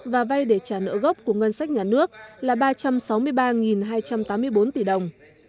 và vay để trả nợ gốc của ngân sách nhà nước là ba trăm sáu mươi ba hai trăm tám mươi bốn tỷ đồng